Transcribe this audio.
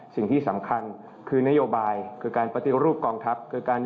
สิ่งที่สำคัญคือนโยบายคือการปฏิรูปกองทัพ